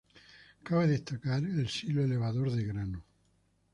Cabe destacar el silo elevador de grano.